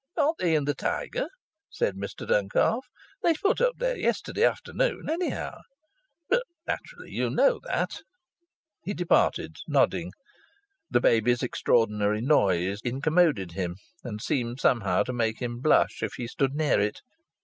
"Aren't they in the Tiger?" said Mr Duncalf. "They put up there yesterday afternoon, anyhow. But naturally you know that." He departed, nodding. The baby's extraordinary noise incommoded him and seemed somehow to make him blush if he stood near it.